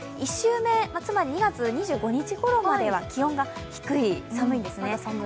１週目、つまり２月２５日ごろまでは気温が低いんですね。